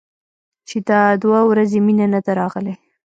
چې دا دوه ورځې مينه نه ده راغلې.